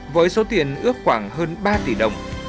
với số tiền ước khoảng hơn ba tỷ đồng